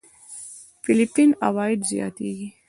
فېليپين عوايد زياتېږي.